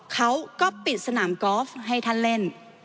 เขาก็ปิดสนามกอล์ฟให้ท่านเล่น